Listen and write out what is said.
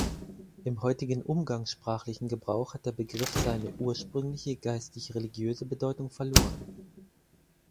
Im heutigen umgangssprachlichen Gebrauch hat der Begriff seine ursprüngliche, geistig-religiöse Bedeutung verloren.